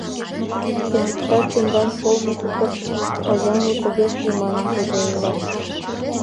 Кызытшат тендан полный хуторской озанлык огеш лий манын, тудо ойла.